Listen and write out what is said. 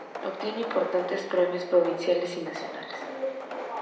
Obtiene importantes premios provinciales y nacionales.